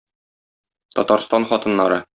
Татарстан хатыннары!